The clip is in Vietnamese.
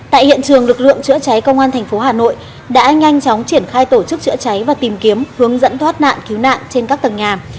tại hiện trường lực lượng chữa cháy công an thành phố hà nội đã nhanh chóng triển khai tổ chức chữa cháy và tìm kiếm hướng dẫn thoát nạn cứu nạn trên các tầng nhà